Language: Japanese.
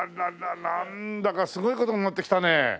なんだかすごい事になってきたね。